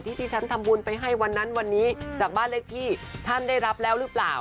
ที่ที่ฉันทำบุญไปให้วันนั้นวันนี้จากบ้านเลขที่ท่านได้รับแล้วหรือเปล่า